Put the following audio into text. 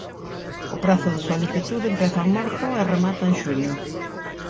O prazo de solicitude empeza en marzo e remata en xuño.